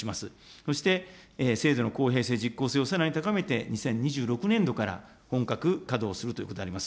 そして、制度の公平性、実効性をさらに高めて、２０２６年度から本格稼働するということであります。